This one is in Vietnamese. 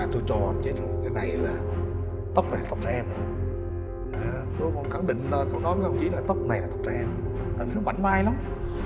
tôi cho chế thủ cái này là tóc này là tóc trẻ em tôi còn cản định tôi nói với ông chỉ là tóc này là tóc trẻ em tại vì nó mảnh mai lắm